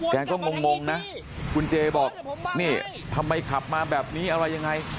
แกก็งงนะคุณเจบอกนี่ทำไมขับมาแบบนี้อะไรยังไง